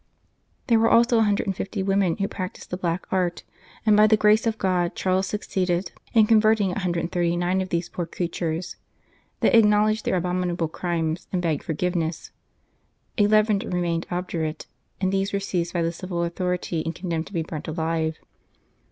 There were also a hundred and fifty women who practised the black art, and by the grace of God Charles succeeded in converting a hundred and thirty nine of these poor creatures. They acknowledged their abominable crimes, and begged forgiveness. Eleven remained obdurate, and these were seized by the civil authority and condemned to be burnt alive.